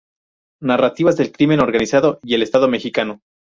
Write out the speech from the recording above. Narrativas del crimen organizado y el Estado mexicano.